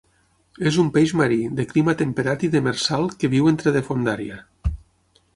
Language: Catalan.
És un peix marí, de clima temperat i demersal que viu entre de fondària.